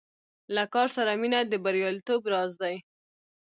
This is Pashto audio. له کار سره مینه د بریالیتوب راز دی.